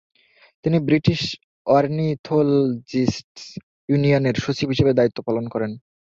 তিনি British ornithologists ইউনিয়নের সচিব হিসেবে দায়িত্ব পালন করেন।